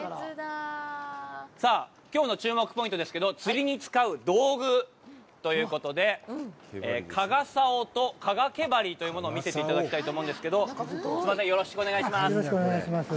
さあ、きょうの注目ポイントですけど、釣りに使う道具ということで、加賀竿と加賀毛針というものを見せていただきたいと思うんですけど、よろしくお願いします。